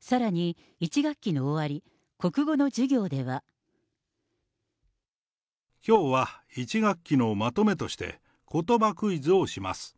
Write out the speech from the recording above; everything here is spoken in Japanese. さらに、１学期の終わり、国きょうは１学期のまとめとして、ことばクイズをします。